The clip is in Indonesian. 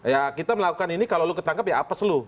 ya kita melakukan ini kalau lo ketangkap ya apas lo